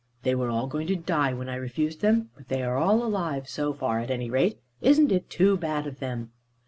They were all going to die, when I refused them; but they are all alive so far, at any rate. Isn't it too bad of them?"